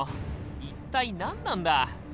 一体何なんだ！